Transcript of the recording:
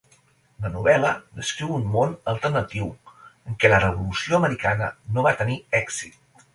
La novel·la descriu un món alternatiu en què la Revolució Americana no va tenir èxit.